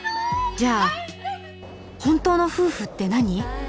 じゃあ本当の夫婦って何？